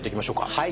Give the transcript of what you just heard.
はい。